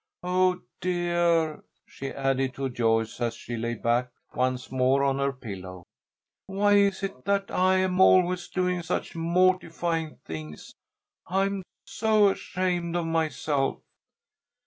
"Oh, dear!" she added to Joyce, as she lay back once more on her pillow. "Why is it that I am always doing such mortifying things! I am so ashamed of myself."